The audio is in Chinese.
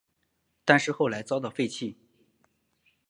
但是后来遭到废弃。